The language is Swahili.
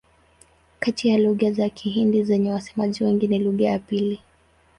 Kati ya lugha za Uhindi zenye wasemaji wengi ni lugha ya pili.